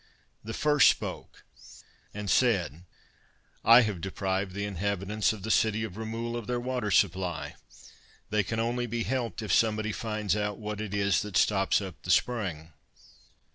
The first spoke, and said: 'I have deprived the inhabitants of the city of Ramul of their water supply; they can only be helped if somebody finds out what it is that stops up the spring.